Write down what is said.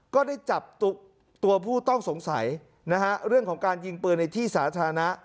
ก็ได้จับตัวผู้ต้องสงสัยนะฮะเรื่องของการยิงปืนในที่สาธารณะ